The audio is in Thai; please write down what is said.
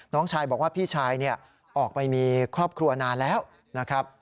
น้องชายบอกว่าพี่ชายออกไปมีครอบครัวนานแล้วนะครับ